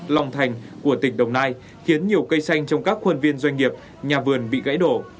lòng thành của tỉnh đồng nai khiến nhiều cây xanh trong các khuôn viên doanh nghiệp nhà vườn bị gãy đổ